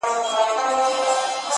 یا بیګانه وه لېوني خیالونه؛